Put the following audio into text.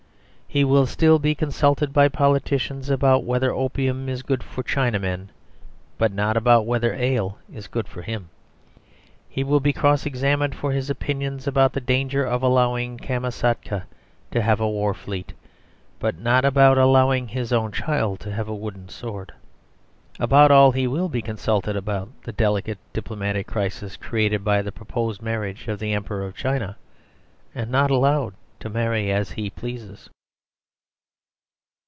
He will still be consulted by politicians about whether opium is good for China men, but not about whether ale is good for him. He will be cross examined for his opinions about the danger of allowing Kamskatka to have a war fleet, but not about allowing his own child to have a wooden sword. About all, he will be consulted about the delicate diplomatic crisis created by the proposed marriage of the Emperor of China, and not allowed to marry as he pleases.